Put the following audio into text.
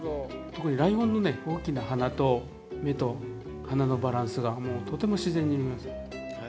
特にライオンのね大きな鼻と目と鼻のバランスがもうとても自然に見えます。